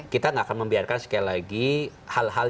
kita gak akan membiarkan sekali lagi hal hal yang seperti itu